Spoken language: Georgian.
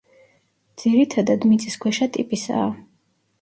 ძირითადად მიწისქვეშა ტიპისაა.